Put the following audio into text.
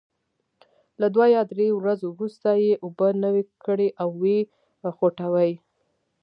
له دوه یا درې ورځو وروسته یې اوبه نوي کړئ او وې خوټوئ.